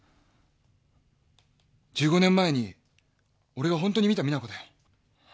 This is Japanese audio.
１５年前に俺が本当に見た実那子だよ。